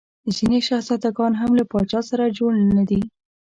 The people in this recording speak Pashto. ځیني شهزاده ګان هم له پاچا سره جوړ نه دي.